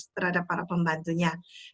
terhadap para pembantunya